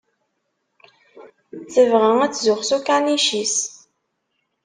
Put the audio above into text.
Tebɣa ad tzuxx s ukanic-is.